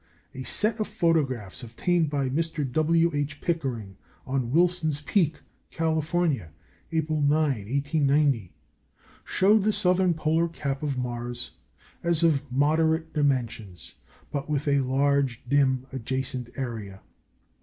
A set of photographs obtained by Mr. W. H. Pickering on Wilson's Peak, California, April 9, 1890, showed the southern polar cap of Mars as of moderate dimensions, but with a large dim adjacent area.